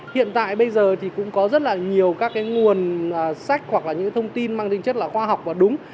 hiện tại bây giờ thì cũng có rất là nhiều các cái nguồn sách hoặc là những thông tin mang tính chất là khoa học và đúng